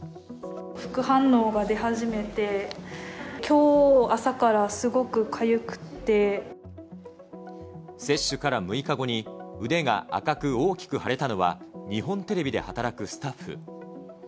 副反応が出始めて、接種から６日後に、腕が赤く大きく腫れたのは、日本テレビで働くスタッフ。